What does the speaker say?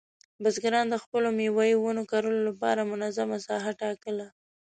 بزګران د خپلو مېوې ونو کرلو لپاره منظمه ساحه ټاکله.